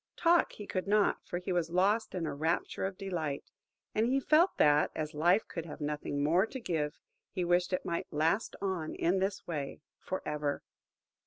Talk he could not, for he was lost in a rapture of delight; and he felt that, as life could have nothing more to give he wished it might last on in this way for ever.